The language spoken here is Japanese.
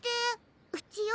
うちよ。